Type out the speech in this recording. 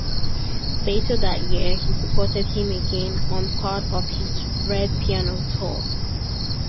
Later that year, he supported him again on part of his Red Piano Tour.